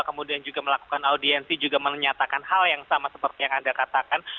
kemudian juga melakukan audiensi juga menyatakan hal yang sama seperti yang anda katakan